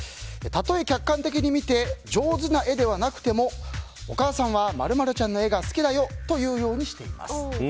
たとえ客観的に見て上手な絵ではなくてもお母さんは○○ちゃんの絵が好きだよと言うようにしています。